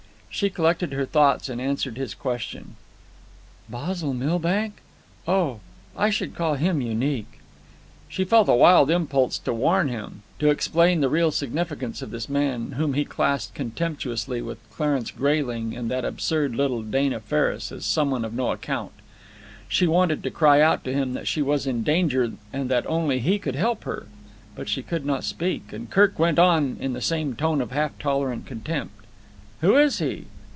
She collected her thoughts and answered his question. "Basil Milbank? Oh, I should call him unique." She felt a wild impulse to warn him, to explain the real significance of this man whom he classed contemptuously with Clarence Grayling and that absurd little Dana Ferris as somebody of no account. She wanted to cry out to him that she was in danger and that only he could help her. But she could not speak, and Kirk went on in the same tone of half tolerant contempt: "Who is he?"